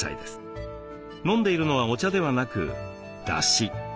飲んでいるのはお茶ではなくだし。